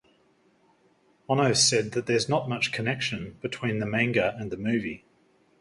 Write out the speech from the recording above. Ono said that "there's not much connection between the manga and the movie".